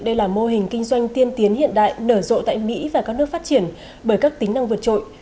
đây là mô hình kinh doanh tiên tiến hiện đại nở rộ tại mỹ và các nước phát triển bởi các tính năng vượt trội